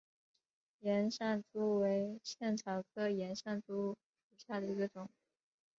岩上珠为茜草科岩上珠属下的一个种。